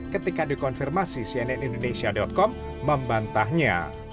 ketika dikonfirmasi cnn indonesia com membantahnya